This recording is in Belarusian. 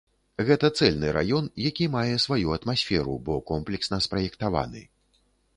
Гэта цэльны раён, які мае сваю атмасферу, бо комплексна спраектаваны.